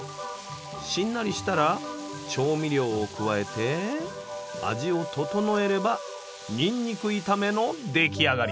しんなりしたら調味料を加えて味を調えればニンニク炒めの出来上がり。